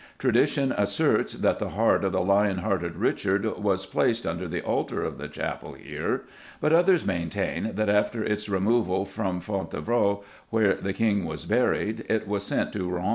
Tradition asserts that the heart of the Lion hearted Richard was placed under the altar of the chapel here, but others maintain that after its removal from Fontevrault, where the king was buried, it was sent to Rouen.